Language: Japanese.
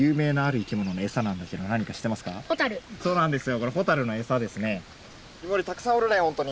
そうなんですよ。